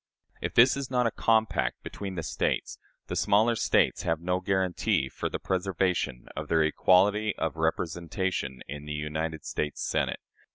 If this is not a compact between the States, the smaller States have no guarantee for the preservation of their equality of representation in the United States Senate.